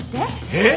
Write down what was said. えっ！？